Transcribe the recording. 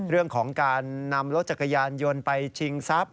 เรื่องของการนำรถจักรยานยนต์ไปชิงทรัพย